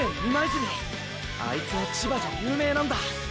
あいつは千葉じゃ有名なんだ！！